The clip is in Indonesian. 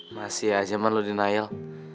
masih aja man lu denial